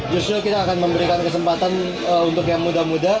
justru kita akan memberikan kesempatan untuk yang muda muda